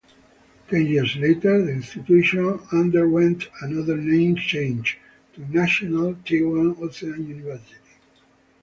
Ten years later, the institution underwent another name change, to National Taiwan Ocean University.